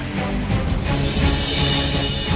ไป